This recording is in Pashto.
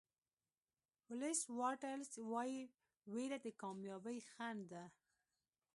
ولېس واټلز وایي وېره د کامیابۍ خنډ ده.